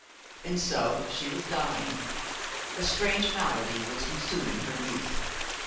And so she was dying. A strange malady was consuming her youth.